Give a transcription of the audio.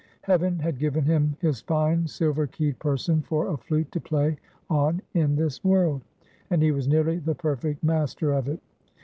Heaven had given him his fine, silver keyed person for a flute to play on in this world; and he was nearly the perfect master of it.